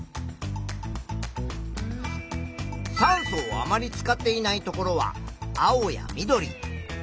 酸素をあまり使っていないところは青や緑。